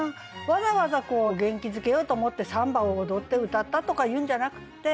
わざわざ元気づけようと思ってサンバを踊って歌ったとかいうんじゃなくて。